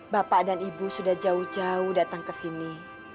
bapak dan ibu sudah jauh jauh datang ke sini